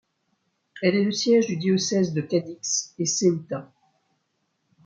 Elle est le siège du diocèse de Cadix et Ceuta.